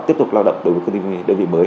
tiếp tục lao động đối với quốc tế đơn vị mới